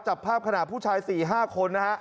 จับภาพขนาดผู้ชาย๔๕คนนะครับ